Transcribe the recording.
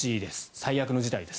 最悪の事態です。